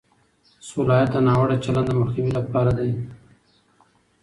صلاحیت د ناوړه چلند مخنیوي لپاره دی.